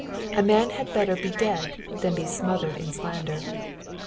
A man had better be dead than be smothered in slander.